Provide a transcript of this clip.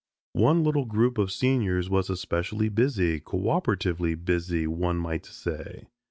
One little group of seniors was especially busy, cooperatively busy one might say.